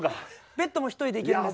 ベッドも１人でいけるんですか？